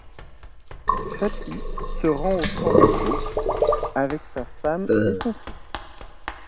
Fatty se rend au champ de courses avec sa femme et son fils.